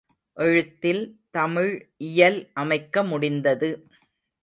எழுத்தில் தமிழ் இயல் அமைக்க முடிந்தது.